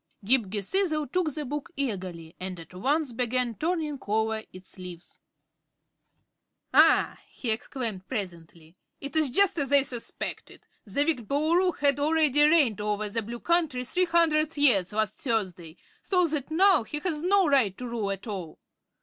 Ghip Ghisizzle took the book eagerly and at once began turning over its leaves. "Ah!" he exclaimed, presently, "it is just as I suspected. The wicked Boolooroo had already reigned over the Blue Country three hundred years last Thursday, so that now he has no right to rule at all.